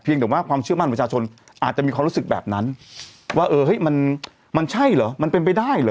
แต่ว่าความเชื่อมั่นประชาชนอาจจะมีความรู้สึกแบบนั้นว่าเออเฮ้ยมันมันใช่เหรอมันเป็นไปได้เหรอ